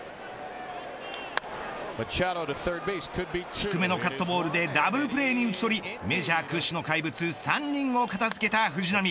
低めのカットボールでダブルプレーに打ち取りメジャー屈指の怪物３人を片付けた藤浪。